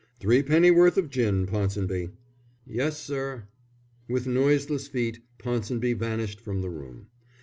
"Threepennyworth of gin, Ponsonby." "Yes, sir." With noiseless feet Ponsonby vanished from the room.